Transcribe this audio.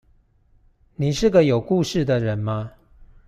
你是個有故事的人嗎